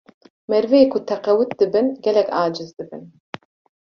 merivê ku teqewût dibin gelek eciz dibin